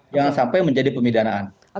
jangan sampai menjadi pemidanaan